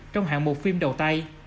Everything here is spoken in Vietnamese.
trong hạng mục phim đầu tay